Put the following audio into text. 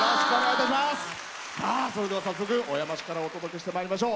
それでは早速、小山市からお届けしてまいりましょう。